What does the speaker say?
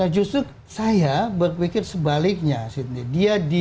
justru saya berfikir sebaliknya sidney